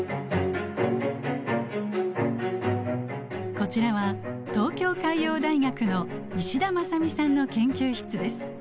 こちらは東京海洋大学の石田真巳さんの研究室です。